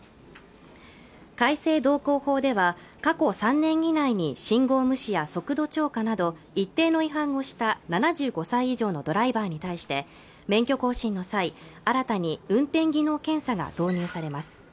改正道交法では過去３年以内に信号無視や速度超過など一定の違反をした７５歳以上のドライバーに対して免許更新の際新たに運転技能検査が導入されます